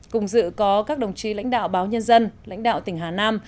cùng dự có các đồng chí lãnh đạo báo nhân dân lãnh đạo tỉnh hà nam